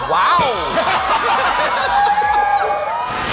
ว้าว